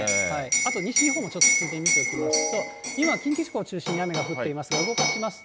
あと西日本、ちょっとついでに見ておきますと、今、近畿地方を中心に雨が降っていますが、動かしますと。